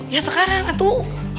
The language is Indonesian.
ya sekarang atuh